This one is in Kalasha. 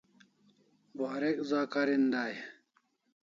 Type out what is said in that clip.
Warek za karin dai e?